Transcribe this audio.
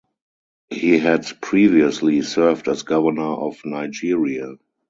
He had previously served as Governor of Nigeria.